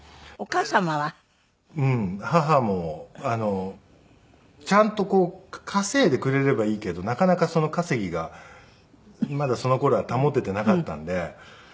母もちゃんと稼いでくれればいいけどなかなかその稼ぎがまだその頃は保てていなかったんで。